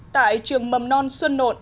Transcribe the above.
tại trường mầm non xuân nộn